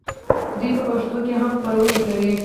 دوی په پښتو هم خپرونې کوي.